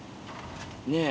ねえ。